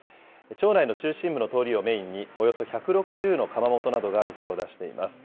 町内の中心部の通りをメインに、およそ１６０の窯元などが店を出しています。